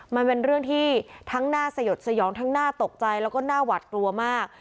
มันเป็นเรื่องที่ทั้งน่าสยดสยองทั้งน่าตกใจแล้วก็น่าหวัดกลัวมาก